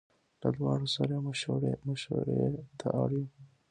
له دواړو سره یې مشوړې ته اړ یو.